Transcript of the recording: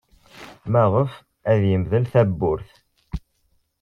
Maɣef ay yemdel tawwurt?